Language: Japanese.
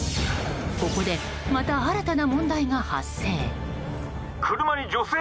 ここで、また新たな問題が発生。